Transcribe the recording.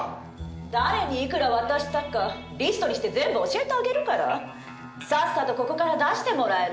誰にいくら渡したかリストにして全部教えてあげるからさっさとここから出してもらえる？